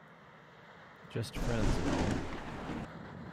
Just friends and all